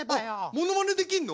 ものまねできるの？